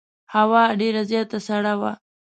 هوا ډېره زیاته سړه وه.